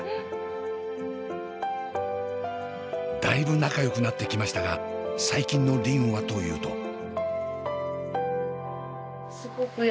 だいぶ仲よくなってきましたが最近の梨鈴はというと。